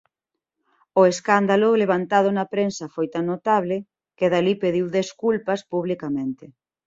O escándalo levantado na prensa foi tan notable que Dalí pediu desculpas publicamente.